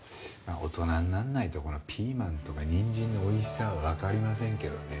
大人になんないとピーマンとかにんじんのおいしさはわかりませんけどね。